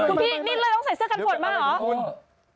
ทุกที่นี่เลยต้องใส่เซอร์กัดผอยมาเหรอ